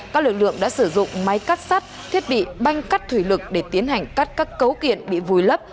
các lực lượng đã sử dụng máy cắt sắt thiết bị banh cắt thủy lực để tiến hành cắt các cấu kiện bị vùi lấp